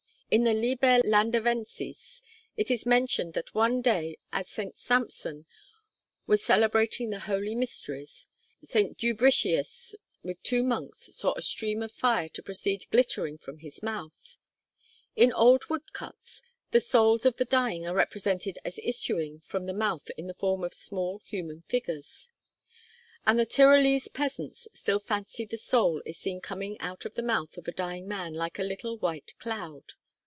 In the 'Liber Landavensis' it is mentioned that one day as St. Samson was celebrating the holy mysteries, St. Dubricius with two monks saw a stream of fire to proceed glittering from his mouth. In old woodcuts, the souls of the dying are represented as issuing from the mouth in the form of small human figures; and the Tyrolese peasants still fancy the soul is seen coming out of the mouth of a dying man like a little white cloud.